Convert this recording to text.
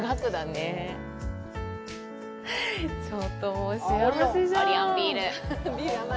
ちょっともう幸せじゃん。